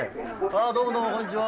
どうもどうもこんにちは。